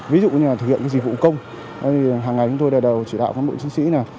ví dụ như là thực hiện dịch vụ công hằng ngày chúng tôi đời đầu chỉ đạo phán bộ chính sĩ